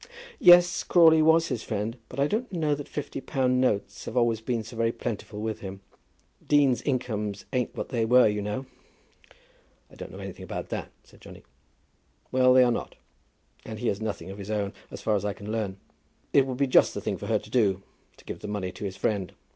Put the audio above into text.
"Yes, Crawley was his friend; but I don't know that fifty pound notes have always been so very plentiful with him. Deans' incomes ain't what they were, you know." "I don't know anything about that," said Johnny. "Well; they are not. And he has nothing of his own, as far as I can learn. It would be just the thing for her to do, to give the money to his friend.